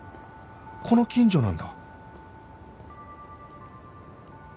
この近所なんだ